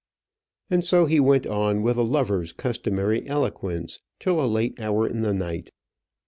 And so he went on with a lover's customary eloquence till a late hour in the night.